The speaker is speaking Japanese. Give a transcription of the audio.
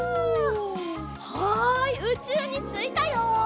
はいうちゅうについたよ！